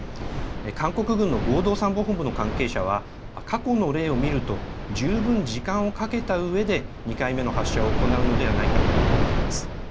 韓国軍の合同参謀本部の関係者は、過去の例を見ると、十分時間をかけたうえで、２回目の発射を行うのではないかと述べています。